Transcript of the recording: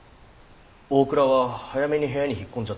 大倉は早めに部屋に引っ込んじゃったんで。